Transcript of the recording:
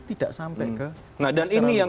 tidak sampai ke nah dan ini yang